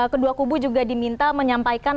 kedua kubu juga diminta menyampaikan